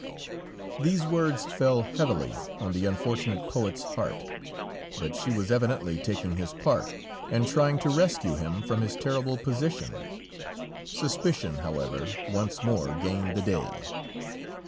These words fell heavily on the unfortunate poet's heart, but she was evidently taking his part, and trying to rescue him from his terrible position. Suspicion, however, once more gained the day.